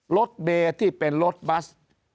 รถเดย์ที่เป็นรถบัส